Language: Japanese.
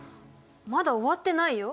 まだ終わってないよ。